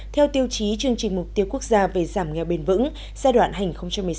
theo tiêu chí chương trình mục tiêu quốc gia về giảm nghèo bền vững giai đoạn hành một mươi sáu hai mươi